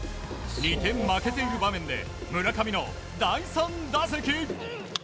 ２点負けている場面で村上の第３打席。